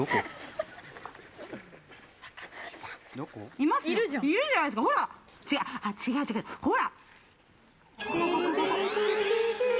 いるじゃないですか、ほら！